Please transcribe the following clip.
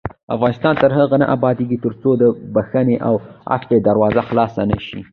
افغانستان تر هغو نه ابادیږي، ترڅو د بښنې او عفوې دروازه خلاصه نشي.